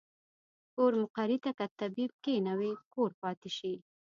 کور مقري ته کۀ طبيب کښېنوې کور پاتې شي